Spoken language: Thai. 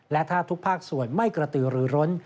และถ้าทุกภาคส่วนไม่กระตือหรือร้น